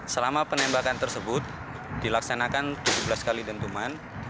selama penembakan tersebut dilaksanakan tujuh belas kali dentuman